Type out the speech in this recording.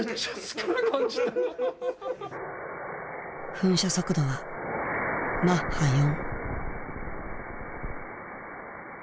噴射速度はマッハ４。